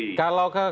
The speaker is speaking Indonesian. jadi ini soal pertek